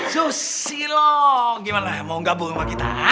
susilo gimana mau gabung sama kita ah